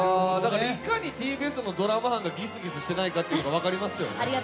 いかにＴＢＳのドラマ班がギスギスしてないか分かりますよね。